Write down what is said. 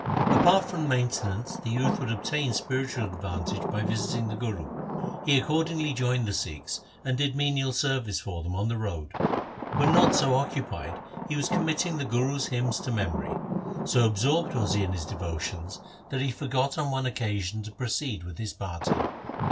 1 Apart from maintenance the youth would obtain spiritual advantage by visiting the Guru. He ac cordingly joined the Sikhs, and did menial service for them on the road. When not so occupied he was committing the Guru's hymns to memory. So ab sorbed was he in his devotions, that he forgot on 1 Bilawal. THE SIKH RELIGION one occasion to proceed with his party.